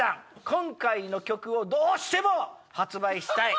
今回の曲をどうしても発売したい！